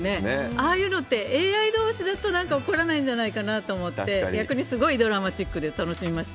ああいうのってＡＩどうしだとなんか起こらないんじゃないかなと思って、逆にすごいドラマチックで楽しめました。